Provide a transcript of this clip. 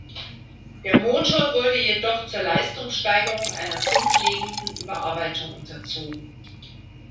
Der Motor wurde jedoch zur Leistungssteigerung einer grundlegenden Überarbeitung unterzogen.